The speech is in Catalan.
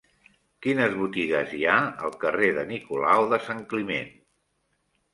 Quines botigues hi ha al carrer de Nicolau de Sant Climent?